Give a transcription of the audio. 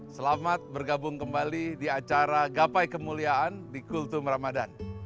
selamat bergabung kembali di acara gapai kemuliaan di kultum ramadhan